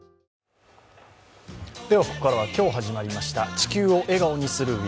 ここからは今日始まりました「地球を笑顔にするＷＥＥＫ」。